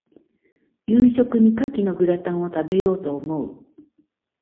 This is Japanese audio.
夕飯に牡蠣のグラタンを、食べようと思う。